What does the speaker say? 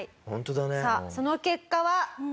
さあその結果は。